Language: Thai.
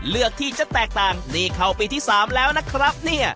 เลือกที่จะแตกต่างนี่เข้าปีที่๓แล้วนะครับเนี่ย